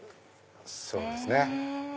そうですね。